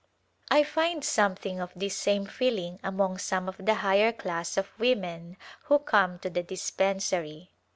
I find something of this same feeling among some of the higher class of women who come to the dispen sary.